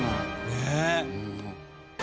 ねえ。